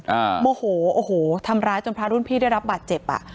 โมโหโอ้โหทำร้ายจนพระรุ่นพี่ได้รับบาดเจ็บอ่ะ